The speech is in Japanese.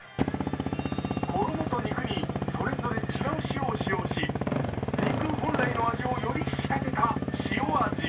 衣と肉に、それぞれ違う塩を使用し肉本来の味をより引き立てた塩味。